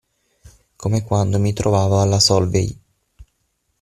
Come quando mi trovavo alla Solvay.